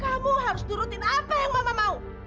kamu harus nurutin apa yang mama mau